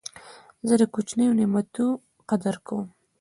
زه د کوچنیو نعمتو قدر کوم.